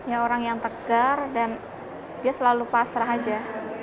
ya orang yang tegar dan dia selalu pasrah aja